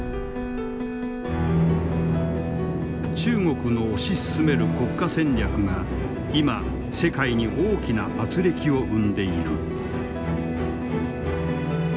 中国の推し進める国家戦略が今世界に大きな軋轢を生んでいる。